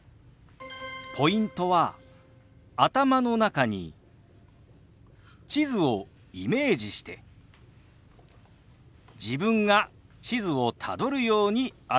ポイントは頭の中に地図をイメージして自分が地図をたどるように表すことです。